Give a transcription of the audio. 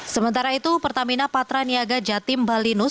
sementara itu pertamina patra niaga jatim balinus